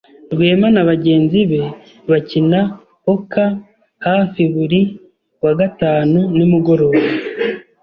Rwema na bagenzi be bakina poker hafi buri wa gatanu nimugoroba.